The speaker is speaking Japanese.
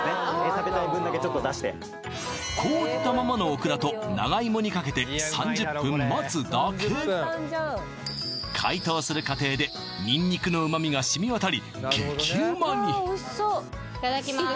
食べたい分だけちょっと出して凍ったままのオクラと長芋にかけて３０分待つだけ解凍する過程でにんにくの旨味が染み渡り激ウマにいただきます